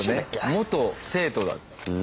元生徒だって。